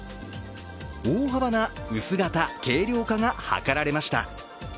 大幅な薄型・軽量化が図られました